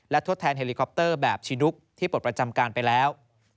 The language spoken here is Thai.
ทดแทนเฮลิคอปเตอร์แบบชินุกที่ปลดประจำการไปแล้ว